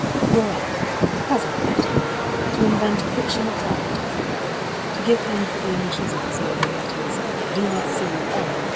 í Were I, the present writer, to invent a fictional character, to give him for the initials of his name the letters D. C. M.